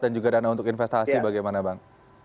dan juga dana untuk investasi bagaimana bang